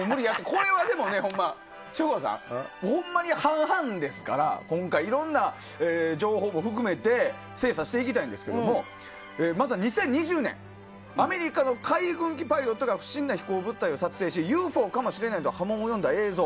これは省吾さんほんまに半々ですから今回、いろんな情報も含めて精査していきたいんですけどまずは２０２０年アメリカの海軍機パイロットが不審な飛行物体を撮影して、ＵＦＯかもしれないと波紋を呼んだ映像